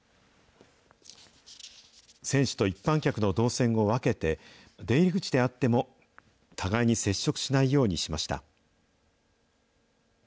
選手と一般客の動線を分けて、出入り口であっても、互いに接触しないようにしました。